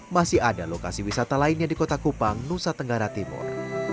masih ada lokasi wisata lainnya di kota kupang nusa tenggara timur